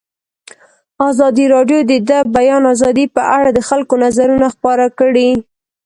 ازادي راډیو د د بیان آزادي په اړه د خلکو نظرونه خپاره کړي.